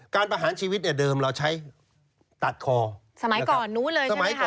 การประหารชีวิตเนี่ยเดิมเราใช้ตัดคอสมัยก่อนนู้นเลยใช่ไหมครับ